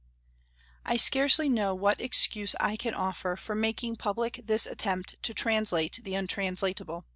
I scarcely know what excuse I can offer for making public this attempt to "translate the untranslatable."